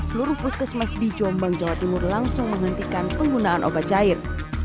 seluruh puskesmas di jombang jawa timur langsung menghentikan penggunaan obat cair